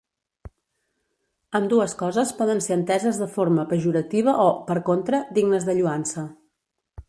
Ambdues coses poden ser enteses de forma pejorativa o, per contra, dignes de lloança.